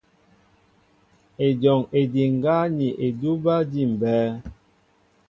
Ejɔŋ ediŋgá ni edúbɛ́ éjḭmbɛ́ɛ́.